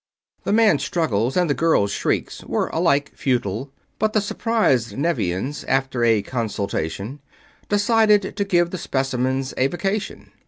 The man's struggles and the girl's shrieks were alike futile, but the surprised Nevians, after a consultation, decided to give the specimens a vacation.